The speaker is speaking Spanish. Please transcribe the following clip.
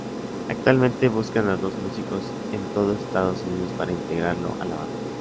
Actualmente buscan a dos músicos en todo Estados Unidos para integrarlo a la banda.